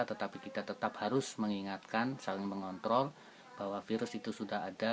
tetapi kita tetap harus mengingatkan saling mengontrol bahwa virus itu sudah ada